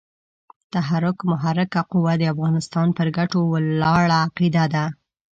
تحرک محرکه قوه د افغانستان پر ګټو ولاړه عقیده ده.